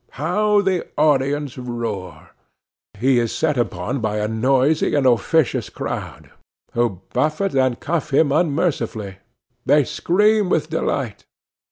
How the audience roar! He is set upon by a noisy and officious crowd, who buffet and cuff him unmercifully. They scream with delight!